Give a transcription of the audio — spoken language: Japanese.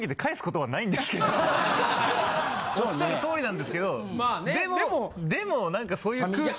おっしゃる通りなんですけどでもでもなんかそういう空気。